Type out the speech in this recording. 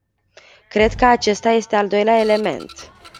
Cred că acesta este al doilea element.